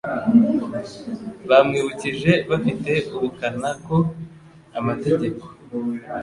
Bamwibukije bafite ubukana ko amategeko